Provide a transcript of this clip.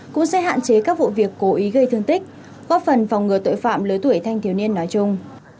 cũng sẽ hạn chế các vụ việc cố ý gây thương tích góp phần phòng ngừa tội phạm lứa tuổi thanh thiếu niên nói chung